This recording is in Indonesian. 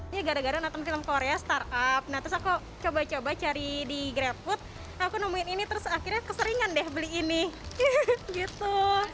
nah terus aku coba coba cari di grabfood aku nemuin ini terus akhirnya keseringan deh beli ini gitu